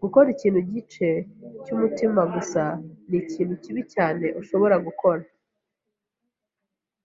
Gukora ikintu igice cyumutima gusa nikintu kibi cyane ushobora gukora.